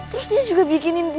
terus dia juga bikinin dia